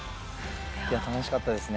いや、楽しかったですね。